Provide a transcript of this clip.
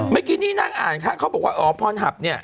เมื่อกี้นี่นั่งอ่านค่ะเขาบอกว่าอ๋อพรหับเนี่ย